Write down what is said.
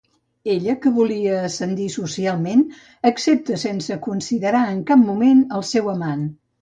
Ella, que vol ascendir socialment, accepta sense considerar en cap moment el seu amant.